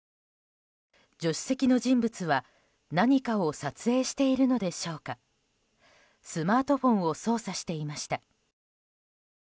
助手席の人物は何かを撮影しているのでしょうかスマートフォンを操作していました。